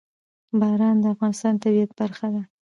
باران د افغانستان د طبیعت برخه ده.